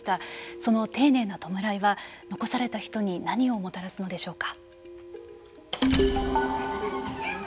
その丁寧な弔いは残された人に何をもたらすのでしょうか。